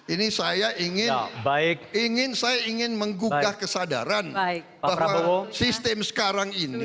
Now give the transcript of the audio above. ini saya ingin menggugah kesadaran bahwa sistem sekarang ini